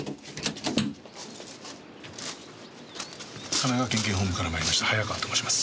神奈川県警本部から参りました早川と申します。